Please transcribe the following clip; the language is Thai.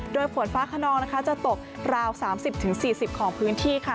โดยฝนฟ้าขนองนะคะจะตกราว๓๐๔๐ของพื้นที่ค่ะ